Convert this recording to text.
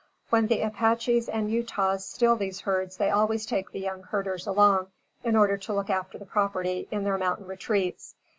When the Apaches and Utahs steal these herds they always take the young herders along in order to look after the property in their mountain retreats.